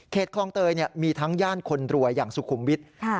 คลองเตยมีทั้งย่านคนรวยอย่างสุขุมวิทย์